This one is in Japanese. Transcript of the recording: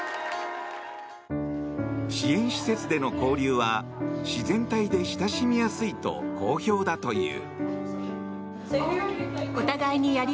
支援施設での交流は、自然体で親しみやすいと好評だという。